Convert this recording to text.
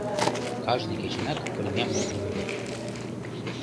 Кажне кечынак пырням йоднем ыле.